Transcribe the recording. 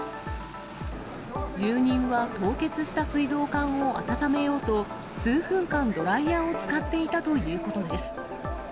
住人は凍結した水道管を温めようと、数分間、ドライヤーを使っていたということです。